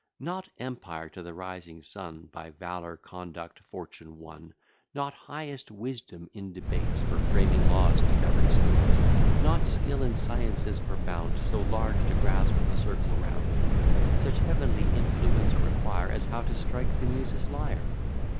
Not empire to the rising sun By valour, conduct, fortune won; Not highest wisdom in debates, For framing laws to govern states; Not skill in sciences profound So large to grasp the circle round, Such heavenly influence require, As how to strike the Muse's lyre.